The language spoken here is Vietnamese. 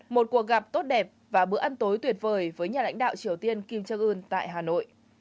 một cuộc gặp tốt đẹp và bữa ăn tối tuyệt vời với nhà lãnh đạo triều tiên kim jong un tại hà nội